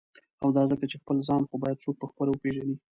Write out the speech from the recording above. او دا ځکه چی » خپل ځان « خو باید څوک په خپله وپیژني.